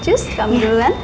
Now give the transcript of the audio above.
cus kamu duluan